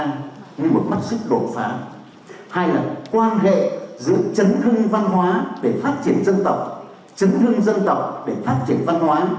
như một mắt xích đổ phá hay là quan hệ giữa chấn hương văn hóa để phát triển dân tộc chấn hương dân tộc để phát triển văn hóa